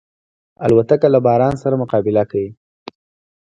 الوتکه له باران سره مقابله کوي.